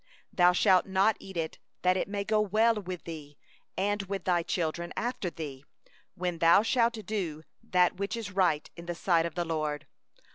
25Thou shalt not eat it; that it may go well with thee, and with thy children after thee, when thou shalt do that which is right in the eyes of the LORD.